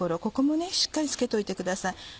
ここもしっかり付けておいてください。